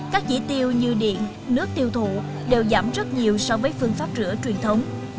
các chỉ tiêu như điện nước tiêu thụ đều giảm rất nhiều so với phương pháp rửa truyền thống